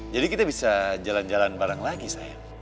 jadi kita bisa jalan jalan bareng lagi sayang